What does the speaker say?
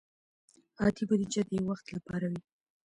عادي بودیجه د یو وخت لپاره وي.